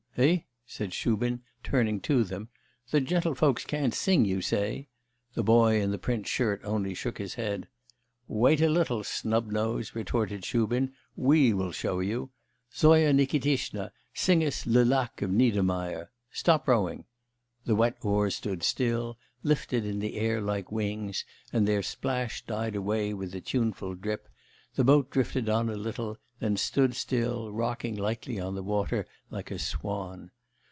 'Eh?' said Shubin, turning to them, 'the gentlefolks can't sing, you say?' The boy in the print shirt only shook his head. 'Wait a little snubnose,' retorted Shubin, 'we will show you. Zoya Nikitishna, sing us Le lac of Niedermeyer. Stop rowing!' The wet oars stood still, lifted in the air like wings, and their splash died away with a tuneful drip; the boat drifted on a little, then stood still, rocking lightly on the water like a swan.